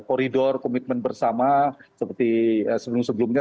koridor komitmen bersama seperti sebelum sebelumnya